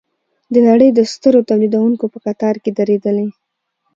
د نړۍ د سترو تولیدوونکو په کتار کې دریدلي.